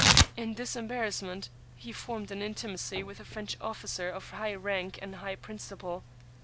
In this embarrassment he formed an intimacy with a French officer of high rank and high principle.